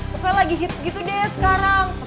pokoknya lagi hits gitu deh sekarang